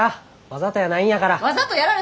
わざとやないんやから。